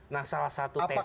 nah salah satu tes